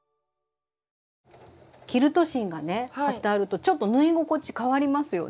キルト芯がね貼ってあるとちょっと縫い心地かわりますよね。